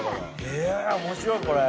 へぇ面白いこれ。